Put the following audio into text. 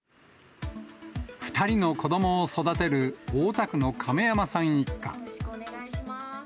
２人の子どもを育てる大田区の亀山さん一家。